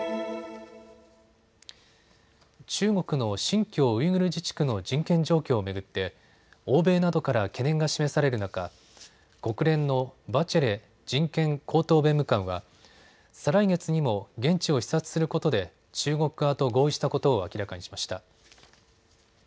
中国の新疆ウイグル自治区の人権状況を巡って欧米などから懸念が示される中、国連のバチェレ人権高等弁務官は再来月にも現地を視察することで中国側と合意したことを明らかにしました。